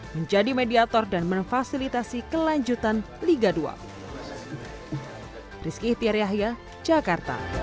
menjadi mediator dan memfasilitasi kelanjutan liga dua